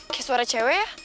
kayak suara cewe ya